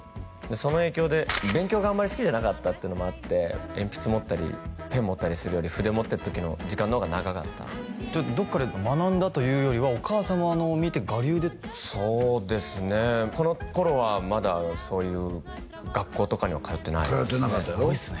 その影響で勉強があんまり好きじゃなかったっていうのもあって鉛筆持ったりペン持ったりするより筆持ってる時の時間のほうが長かったじゃどっかで学んだというよりはお母さまのを見て我流でそうですねこの頃はまだそういう学校とかには通ってないですね通ってなかったんやろうわ